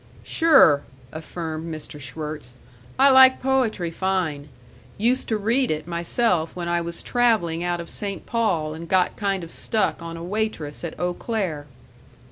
"Sure," affirmed Mr. Schwirtz, "I like poetry fine. Used to read it myself when I was traveling out of St. Paul and got kind of stuck on a waitress at Eau Claire."